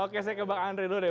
oke saya ke bang andre dulu deh